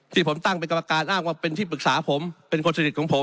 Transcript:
ที่ผมตั้งเป็นกรรมการอ้างว่าเป็นที่ปรึกษาผมเป็นคนสนิทของผม